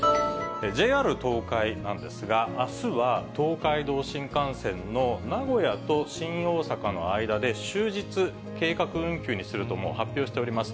ＪＲ東海なんですが、あすは東海道新幹線の名古屋と新大阪の間で、終日、計画運休にすると、もう発表しております。